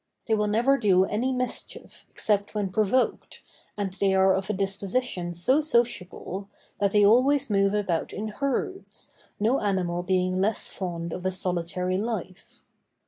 They will never do any mischief except when provoked, and they are of a disposition so sociable, that they always move about in herds, no animal being less fond of a solitary life.